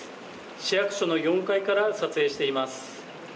市役所の４階から撮影しています。